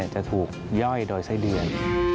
จะถูกย่อยโดยไส้เดือน